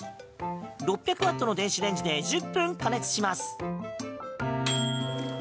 ６００ワットの電子レンジで１０分加熱します。